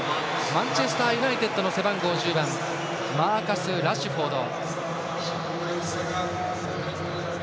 マンチェスターユナイテッドの背番号１０番マーカス・ラッシュフォード。